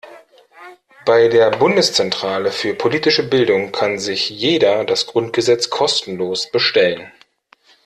Bei der Bundeszentrale für politische Bildung kann sich jeder das Grundgesetz kostenlos bestellen.